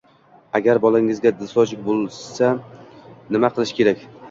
Agar bolangizda Djosg bo‘lsa nima qilish kerak?